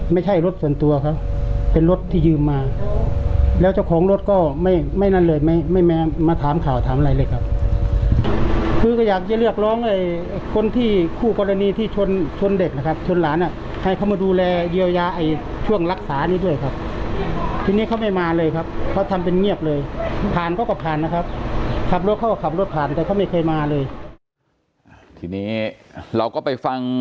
ไม่ใช่รถส่วนตัวเขาเป็นรถที่ยืมมาแล้วเจ้าของรถก็ไม่ไม่นั่นเลยไม่ไม่มาถามข่าวถามอะไรเลยครับคือก็อยากจะเรียกร้องไอ้คนที่คู่กรณีที่ชนชนเด็กนะครับชนหลานอ่ะให้เขามาดูแลเยียวยาไอ้ช่วงรักษานี้ด้วยครับทีนี้เขาไม่มาเลยครับเขาทำเป็นเงียบเลยผ่านเขาก็ผ่านนะครับขับรถเขาก็ขับรถผ่านแต่เขาไม่เคยมาเลยทีนี้เราก็ไปฟัง